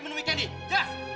menemui candy jelas